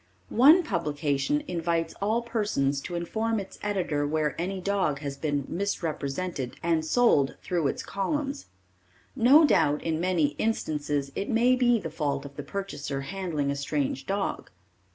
One publication invites all persons to inform its editor where any dog has been misrepresented and sold through its columns. No doubt in many instances it may be the fault of the purchaser handling a strange dog.